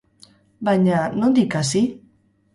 Baina, nondik hasi?